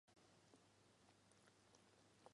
开车公车